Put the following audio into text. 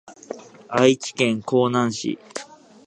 愛知県江南市